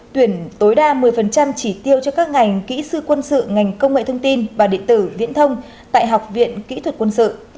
tuyển tối đa một mươi chỉ tiêu cho các ngành kỹ sư quân sự ngành công nghệ thông tin và điện tử viễn thông tại học viện kỹ thuật quân sự